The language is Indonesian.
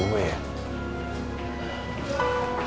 gak boleh di chat